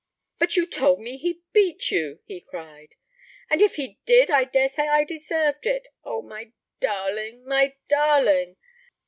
'But you told me he beat you,' he cried. 'And if he did, I dare say I deserved it. Oh, my darling, my darling!'